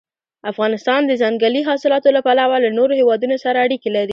افغانستان د ځنګلي حاصلاتو له پلوه له نورو هېوادونو سره اړیکې لري.